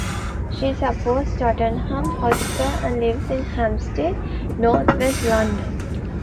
She supports Tottenham Hotspur and lives in Hampstead, north west London.